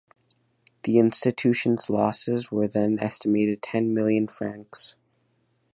The institution’s losses where then estimated ten million Francs.